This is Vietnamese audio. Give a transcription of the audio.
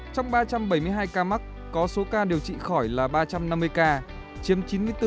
trong ba trăm bảy mươi hai ca mắc có số ca điều trị khỏi là ba trăm năm mươi ca chiếm chín mươi bốn